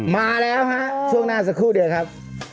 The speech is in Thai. มาแล้วฮะช่วงหน้าสักครู่เดียวครับ